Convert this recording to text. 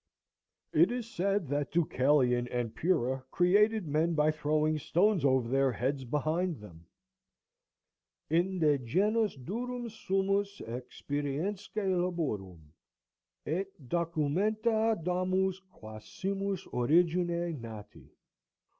It is said that Deucalion and Pyrrha created men by throwing stones over their heads behind them:— Inde genus durum sumus, experiensque laborum, Et documenta damus quâ simus origine nati.